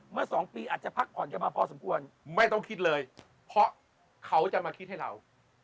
สองปีอาจจะพักผ่อนกันมาพอสมควรไม่ต้องคิดเลยเพราะเขาจะมาคิดให้เรา